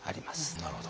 なるほど！